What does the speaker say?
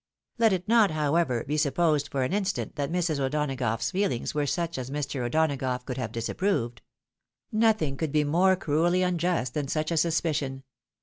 Let it not, however, be supposed for an instant that Mrs. O'Donagough's feelings were such as Mr. O'Donagough could have disapproved ; nothing could be more cruelly unjust than such a suspicion.